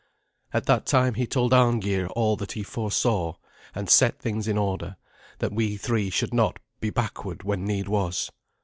At that time he told Arngeir all that he foresaw, and set things in order, that we three should not be backward when need was.